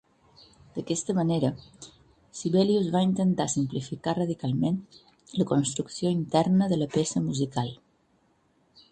D'aquesta manera, Sibelius va intentar simplificar radicalment la construcció interna de la peça musical.